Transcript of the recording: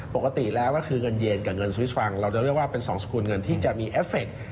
ปกติแล้วก็คือเงินเย็นกับเงินสวิสฟังเราจะเรียกว่าเป็นสองสกุลเงินที่จะมีเอฟเฟค